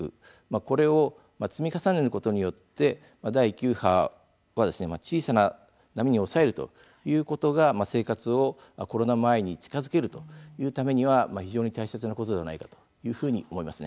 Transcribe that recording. これを積み重ねることによって第９波を小さな波に抑えるということが生活をコロナ前に近づけるというためには非常に大切なことではないかと思います。